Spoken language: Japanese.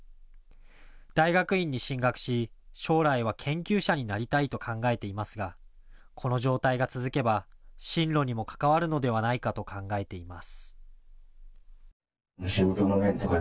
大学院に進学し、将来は研究者になりたいと考えていますがこの状態が続けば進路にも関わるのではないかと考えています。